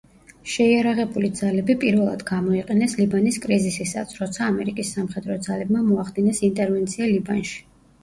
შეიარაღებული ძალები პირველად გამოიყენეს ლიბანის კრიზისისას, როცა ამერიკის სამხედრო ძალებმა მოახდინეს ინტერვენცია ლიბანში.